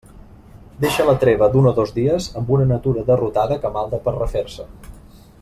Deixa la treva d'un o dos dies amb una natura derrotada que malda per refer-se.